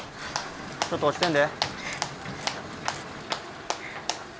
ちょっと落ちてんで。